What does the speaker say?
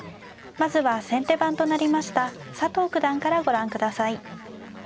まずは先手番となりました佐藤九段からご覧下さい。